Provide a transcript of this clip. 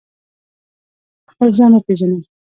خپل ځان وپیژنئ